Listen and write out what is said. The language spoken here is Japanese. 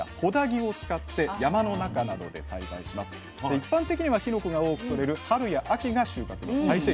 一般的にはきのこが多くとれる春や秋が収穫の最盛期と。